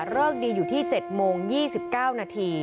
เลิกดีอยู่ที่๗โมง๒๙นาที